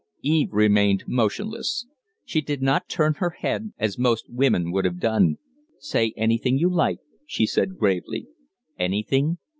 Eve remained motionless. She did not turn her head, as most women would have done. "Say anything you like," she said, gravely. "Anything?"